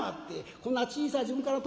こんな小さい時分から友達や」。